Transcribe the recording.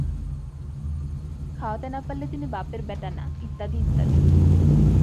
খাওয়াতে না-পারলে তিনি বাপের ব্যাটা না-ইত্যাদি ইত্যাদি।